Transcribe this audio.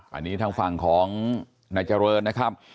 อันนี้ทางฝั่งของนายเจริญนะครับ